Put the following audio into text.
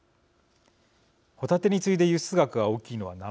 ホタテに次いで輸出額が大きいのはナマコです。